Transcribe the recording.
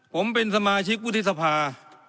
ผมเป็นสมาชิกวุฒิสภา